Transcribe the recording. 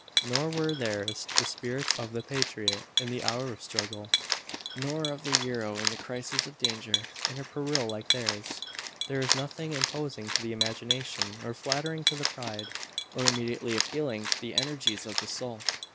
Nor were theirs the spirits of the patriot in the hour of struggle, nor of the hero in the crisis of danger. In a peril like theirs, there is nothing imposing to the imagination, or flattering to the pride, or immediately appealing to the energies of the soul.